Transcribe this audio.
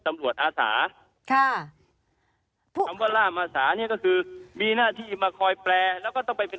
อาสาค่ะคำว่าล่ามอาสาเนี่ยก็คือมีหน้าที่มาคอยแปลแล้วก็ต้องไปเป็น